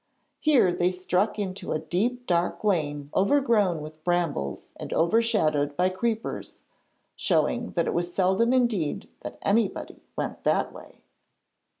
Here they struck into a deep dark lane overgrown with brambles and overshadowed by creepers, showing that it was seldom indeed that anybody went that way.